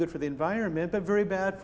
tidak terlalu baik untuk pemain perang